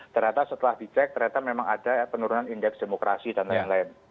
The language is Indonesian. ternyata setelah dicek ternyata memang ada penurunan indeks demokrasi dan lain lain